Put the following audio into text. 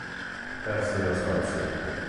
Persi Nello Spazio!